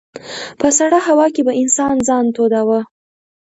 په سړه هوا کې به انسان ځان توداوه.